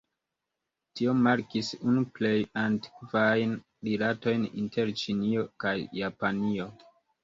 Tio markis unu plej antikvajn rilatojn inter Ĉinio kaj Japanio.